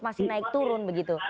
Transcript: masih naik turun begitu